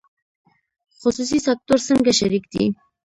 خصوصي سکتور څنګه شریک دی؟